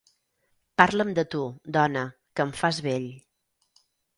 Parla'm de tu, dona, que em fas vell.